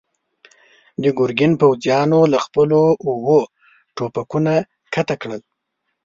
د ګرګين پوځيانو له خپلو اوږو ټوپکونه کښته کړل.